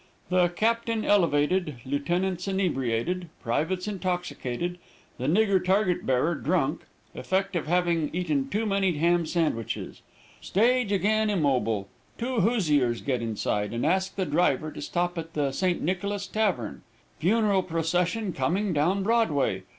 The captain elevated, lieutenants inebriated, privates intoxicated, the nigger target bearer drunk effect of having eaten too many ham sandwiches. Stage again immobile. Two Hoosiers get inside, and ask the driver to stop at the St. Nicholas Tavern. Funeral procession coming down Broadway.